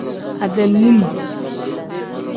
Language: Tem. Ade num.